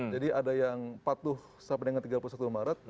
jadi ada yang empat puluh sampai dengan tiga puluh satu maret